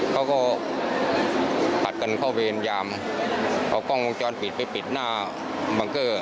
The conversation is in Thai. เขาก็ผัดกันเข้าเวรยามเอากล้องวงจรปิดไปปิดหน้าบังเกอร์